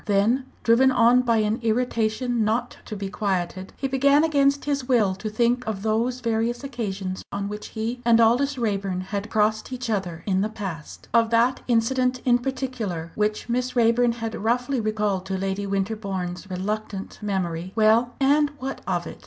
Then, driven on by an irritation not to be quieted, he began against his will to think of those various occasions on which he and Aldous Raeburn had crossed each other in the past of that incident in particular which Miss Raeburn had roughly recalled to Lady Winterbourne's reluctant memory. Well, and what of it?